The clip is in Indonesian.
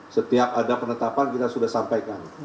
setiap ada penetapan kita sudah sampaikan